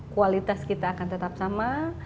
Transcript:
kualitas kita akan tetap sama